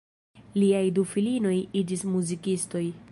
Liaj du filinoj iĝis muzikistoj.